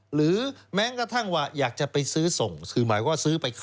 หรือแม้กระทั่งว่าอยากจะไปซื้อส่งคือหมายว่าซื้อไปขาย